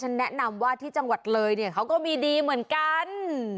ฉันแนะนำว่าที่จังหวัดเลยเขามีดีเหมือนกัน